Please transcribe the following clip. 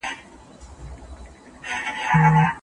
شيطان مسلمانان د مايوسۍ تر حده ځوروي.